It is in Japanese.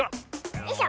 よいしょ。